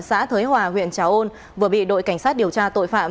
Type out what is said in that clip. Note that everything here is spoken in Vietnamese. xã thới hòa huyện trà ôn vừa bị đội cảnh sát điều tra tội phạm